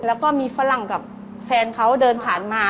แล้วก็มีฝรั่งกับแฟนเขาเดินผ่านมา